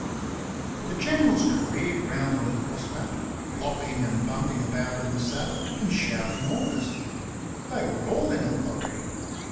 The generals careered round on horseback, flopping and bumping about in the saddle and shouting out orders. They were all in authority.